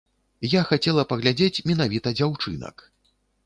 Я хацела паглядзець менавіта дзяўчынак.